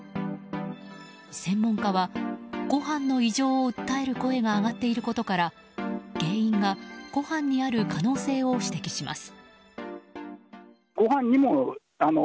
専門家はご飯の異常を訴える声が上がっていることから原因がご飯にある可能性を指摘します。